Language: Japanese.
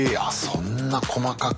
そんな細かく。